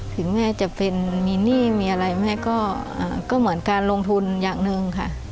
ถึงแม่จะเป็นมีหนี้มีอะไรแม่ก็เหมือนการลงทุนอย่างหนึ่งค่ะ